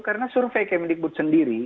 karena survei kemendikbud sendiri